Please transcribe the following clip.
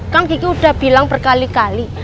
kan kiki udah bilang berkali kali